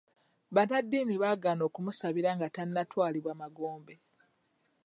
Bannaddiini baagaana okumusabira nga tannatwalibwa magombe.